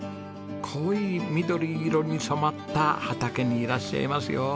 濃い緑色に染まった畑にいらっしゃいますよ。